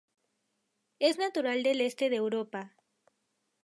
Es natural del este de Europa.